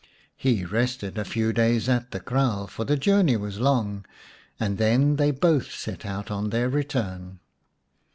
He rested a few days at the kraal, for the journey was long, and then they both set out on their return.